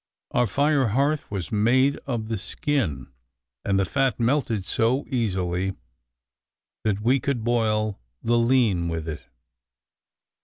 Our fire hearth was made of the skin, and the fat melted so easily, that we could boil the lean with it.